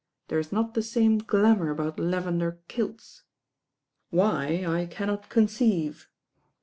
There is not the same glamour about lavender kilts. Why, I cannot conceive."